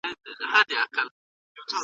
سپورت کولی شي التهاب کم کړي.